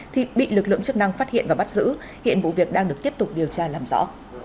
thì bị lực lượng chức năng phát hiện và bắt giữ hiện vụ việc đang được tiếp tục điều tra làm rõ